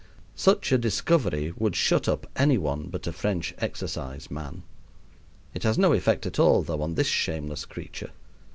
Such a discovery would shut up any one but a French exercise man. It has no effect at all, though, on this shameless creature.